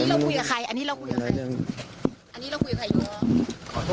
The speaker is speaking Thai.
น้องน้องมีเรื่องไรอย่างนั้นหรอลูก